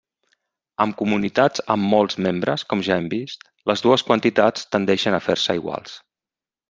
Amb comunitats amb molts membres, com ja hem vist, les dues quantitats tendeixen a fer-se iguals.